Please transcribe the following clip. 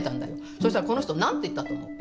そしたらこの人何て言ったと思う？